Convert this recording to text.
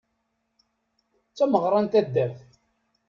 D tameɣra n taddart.